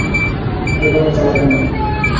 এবার আর চালাকি নয়।